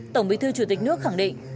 tổng bí thư chủ tịch nước khẳng định